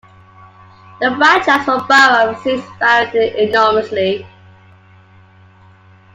The franchise for borough seats varied enormously.